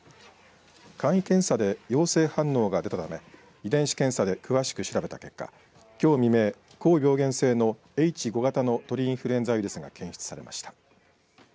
簡易検査で陽性反応が出たため遺伝子検査で詳しく調べた結果きょう未明、高病原性のＨ５型の鳥インフルエンザウイルスが検出されました。